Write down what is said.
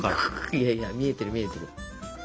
いやいや見えてる見えてる。